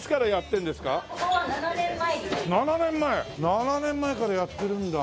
７年前からやってるんだ。